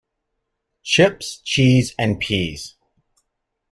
Chips, cheese and peas.